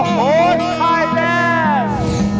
อ้อโหไทยเล็นด์